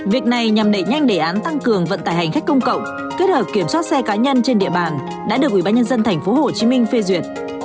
việc này nhằm đẩy nhanh đề án tăng cường vận tải hành khách công cộng kết hợp kiểm soát xe cá nhân trên địa bàn đã được ủy ban nhân dân tp hcm phê duyệt